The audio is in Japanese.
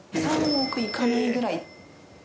３億いかないぐらい。